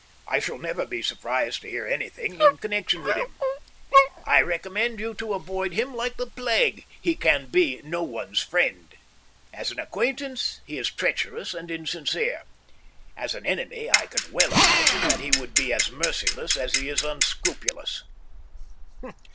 I shall never be surprised to hear anything in connexion with him. I recommend you to avoid him like the plague. He can be no one's friend. As an acquaintance he is treacherous and insincere; as an enemy, I can well imagine that he would be as merciless as he is unscrupulous.